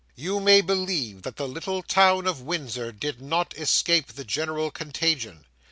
You may believe that the little town of Windsor did not escape the general contagion.